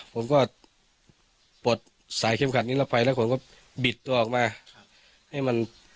ผมก็ปลดสายเข้มขัดนิรภัยแล้วผมก็บิดตัวออกมา